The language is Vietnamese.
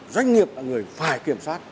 doanh nghiệp là người phải kiểm soát